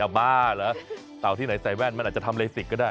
อย่าบ้าละเตาที่ไหนใส่แว่นมันอาจจะทำเลยสิกก็ได้